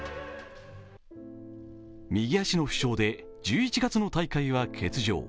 右足の負傷で１１月の大会は欠場。